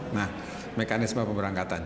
nah mekanisme pemberangkatan